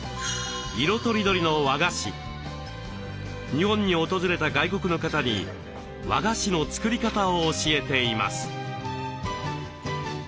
日本に訪れた外国の方に和菓子の作り方を教えています。